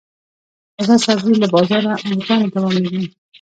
تازه سبزي له بازاره ارزانه تمامېږي.